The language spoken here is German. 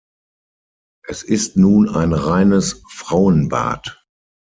Es ist nun ein reines Frauenbad.